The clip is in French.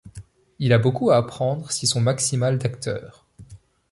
Il a beaucoup à apprendre si son maximal d'acteur.